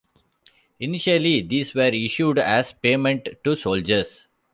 Initially, these were issued as payment to soldiers.